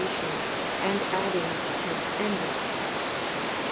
and adding tense ending.